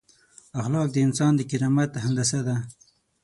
اخلاق د انسان د کرامت هندسه ده.